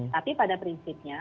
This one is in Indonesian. tapi pada prinsipnya